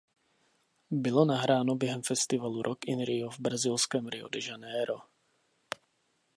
Bylo nahráno během festivalu Rock in Rio v brazilském Rio de Janeiro.